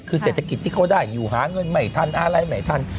คือเศรษฐกิจที่เขาได้อยู่หาเงินใหม่ทัน